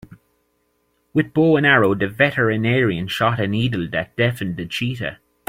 With bow and arrow the veterinarian shot a needle that deafened the cheetah.